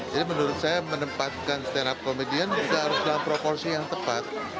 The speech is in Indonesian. jadi menurut saya menempatkan stand up komedian juga harus dalam proporsi yang tepat